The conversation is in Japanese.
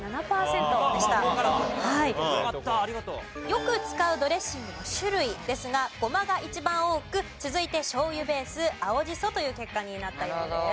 よく使うドレッシングの種類ですがゴマが一番多く続いて醤油ベース青じそという結果になったようです。